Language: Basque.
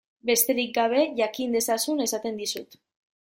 Besterik gabe, jakin dezazun esaten dizut.